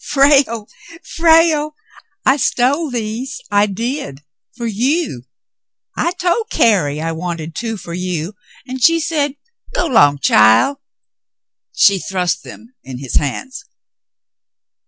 "Frale, Frale. I stole these, I did, for you. I told Carrie I w^anted two for you, an' she said * G'long, chile.'" She thrust them in his hands.